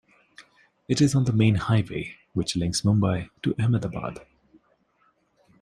It is on the main highway which links Mumbai to Ahmedabad.